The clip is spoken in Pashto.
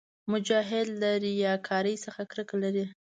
مجاهد له ریاکارۍ څخه کرکه لري.